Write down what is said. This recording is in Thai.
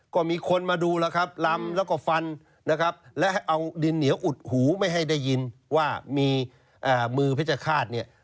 ก็มีคนมาดูแล้วครับลำแล้วก็ฟันนะครับและให้เอาดินเหนียวอุดหูไม่ให้ได้ยินว่ามีมือเพชรฆาตเนี่ย